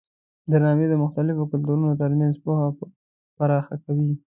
درناوی د مختلفو کلتورونو ترمنځ پوهه پراخه کوي.